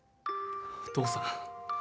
お父さん。